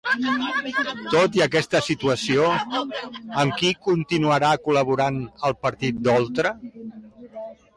Tot i aquesta situació, amb qui continuarà col·laborant el partit d'Oltra?